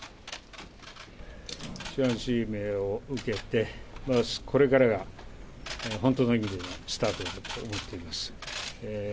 首班指名を受けて、これからが本当の意味でのスタートだと思っています。